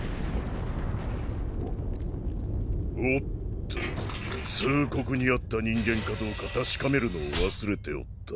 おっと通告にあった人間かどうか確かめるのを忘れておった。